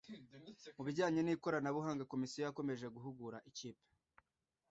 mu bijyanye n ikoranabuhanga komisiyo yakomeje guhugura ikipe